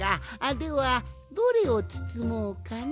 ではどれをつつもうかな？